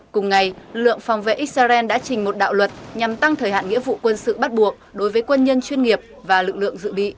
cùng ngày lượng phòng vệ israel đã trình một đạo luật nhằm tăng thời hạn nghĩa vụ quân sự bắt buộc đối với quân nhân chuyên nghiệp và lực lượng dự bị